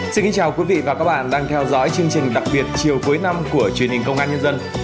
xin kính chào quý vị và các bạn đang theo dõi chương trình đặc biệt chiều cuối năm của truyền hình công an nhân dân